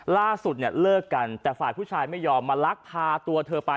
ล่าสุดเนี่ยเลิกกันแต่ฝ่ายผู้ชายไม่ยอมมาลักพาตัวเธอไป